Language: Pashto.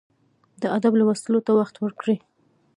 د ادب لوستلو ته وخت ورکړئ.